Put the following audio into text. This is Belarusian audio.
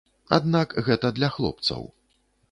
Аднак гэта для хлопцаў.